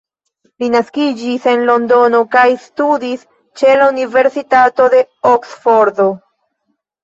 Li naskiĝis en Londono kaj studis ĉe la Universitato de Oksfordo.